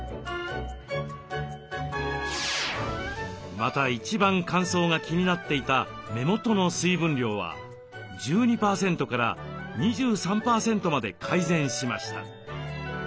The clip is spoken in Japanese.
また一番乾燥が気になっていた目元の水分量は１２％から２３％まで改善しました。